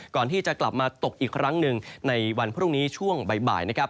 ก่อนที่จะกลับมาตกอีกครั้งหนึ่งในวันพรุ่งนี้ช่วงบ่ายนะครับ